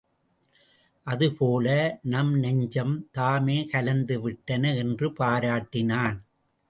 அது போல நம் நெஞ்சம் தாமே கலந்து விட்டன என்று பாராட்டினான்.